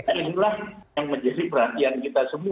dan inilah yang menjadi perhatian kita semua